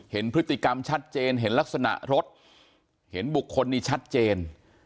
เห็นพฤติกรรมชัดเจนเห็นลักษณะรถเห็นบุคคลนี้ชัดเจน